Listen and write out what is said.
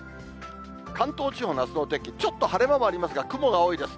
関東地方のあすのお天気、ちょっと晴れ間もありますが、雲が多いです。